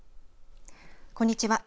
こんにちは。